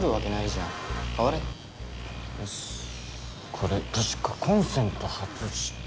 これ確かコンセント外して。